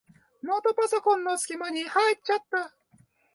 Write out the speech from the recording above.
ノートパソコンのすき間に入っちゃった。